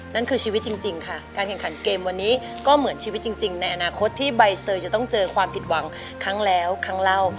นั่นคือชีวิตจริงค่ะการแข่งขันเกมวันนี้ก็เหมือนชีวิตจริงในอนาคตที่ใบเตยจะต้องเจอความผิดหวังครั้งแล้วครั้งเล่า